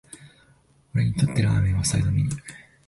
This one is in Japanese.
俺にとってラーメンはサイドメニュー